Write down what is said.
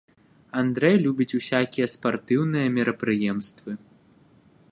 Андрэй любіць усякія спартыўныя мерапрыемствы.